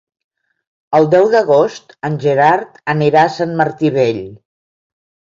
El deu d'agost en Gerard anirà a Sant Martí Vell.